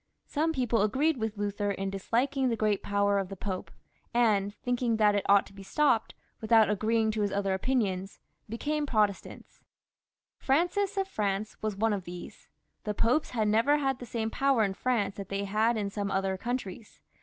Some people agreed with Luther in disliking the great power of the Pope, and thiiiking that it ought to be stopped, without agreeing to his other opinions, and becoming Protestants. Francis of France was one of these. The Popes had " never had/the same power yi France that they had in' some other countries.